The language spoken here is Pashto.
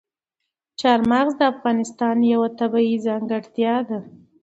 چار مغز د افغانستان یوه طبیعي ځانګړتیا ده.